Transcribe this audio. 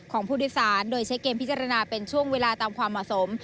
ของผู้โดยสารโดยใช้เกมพิจารณาเป็นช่วงเวลาตามความเหมาะสม